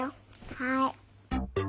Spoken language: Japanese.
はい。